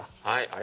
はい！